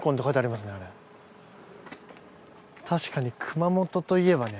確かに熊本といえばね